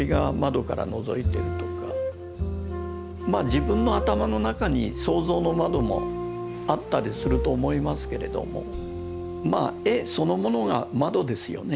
自分の頭の中に想像の窓もあったりすると思いますけれども絵そのものが窓ですよね。